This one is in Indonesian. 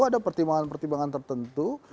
ada pertimbangan pertimbangan tertentu